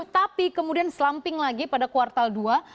tapi kemudian slumping lagi pada kuartal dua